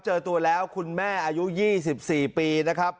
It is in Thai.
เจอตัวแล้วคุณแม่อายุ๒๔ปีนะครับ